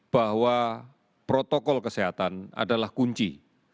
bahwa protokol kesehatan adalah kunci